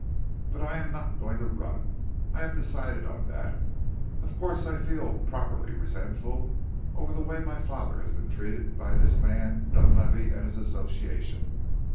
"But I am not going to run I have decided on that. Of course I feel properly resentful over the way my father has been treated by this man Dunlavey and his association."